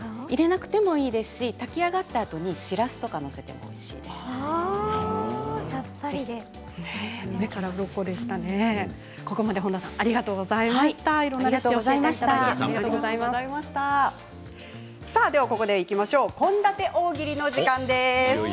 入れなくてもいいですし炊き上がったあとしらすを載せてもここまで本多さんでは、ここでいきましょう献立大喜利の時間です。